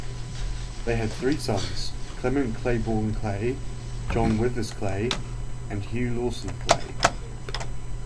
They had three sons: Clement Claiborne Clay, John Withers Clay, and Hugh Lawson Clay.